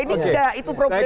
ini tidak itu problemnya